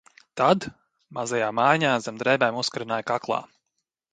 "Tad "mazā mājiņā" zem drēbēm uzkarināju kaklā."